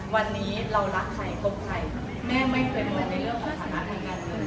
วันนี้เรารักใครตรงใครแม่ไม่เคยมองในเรื่องของขนาดเหมือนกัน